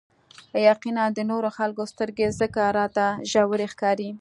يقيناً د نورو خلکو سترګې ځکه راته ژورې ښکاري.